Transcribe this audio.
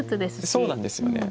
そうなんですよね。